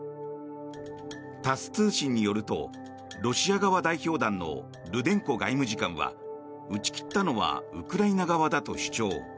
タス通信によるとロシア側代表団のルデンコ外務次官は打ち切ったのはウクライナ側だと主張。